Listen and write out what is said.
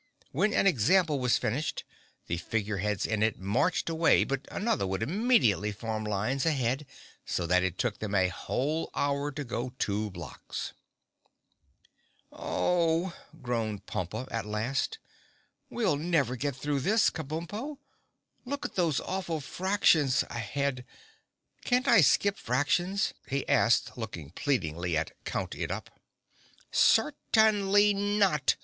When an example was finished, the Figure Heads in it marched away but another would immediately form lines ahead so that it took them a whole hour to go two blocks. [Illustration: Slowly and Painfully Pompa Counted up the Long Lines] "Oh!" groaned Pompa at last, "We'll never get through this, Kabumpo. Look at those awful fractions ahead! Can't I skip fractions?" he asked looking pleadingly at Count It Up. "Certainly not!"